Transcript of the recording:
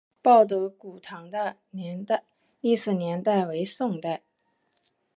报德古堂的历史年代为宋代。